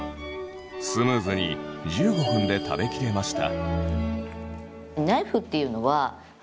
スムーズに１５分で食べきれました。